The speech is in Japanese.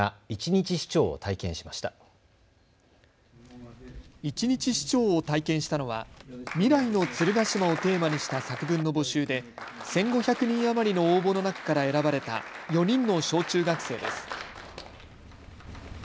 一日市長を体験したのは未来の鶴ヶ島をテーマにした作文の募集で１５００人余りの応募の中から選ばれた４人の小中学生です。